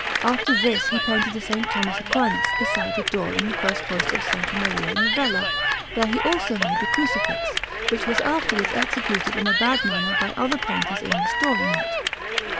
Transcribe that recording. After this he painted a S. Thomas Aquinas beside a door in the first cloister of S. Maria Novella, where he also made a Crucifix, which was afterwards executed in a bad manner by other painters in restoring it.